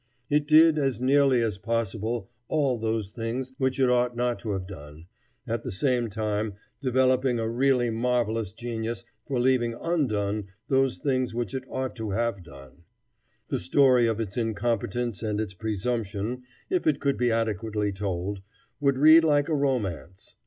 It did, as nearly as possible, all those things which it ought not to have done, at the same time developing a really marvelous genius for leaving undone those things which it ought to have done. The story of its incompetence and its presumption, if it could be adequately told, would read like a romance.